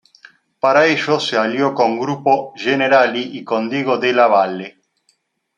Para ello se alió con Gruppo Generali y con Diego della Valle.